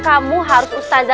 saya udah kaget aja